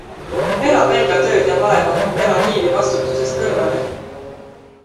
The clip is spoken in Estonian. Ära pelga tööd ja vaeva, ära hiili vastutusest kõrvale.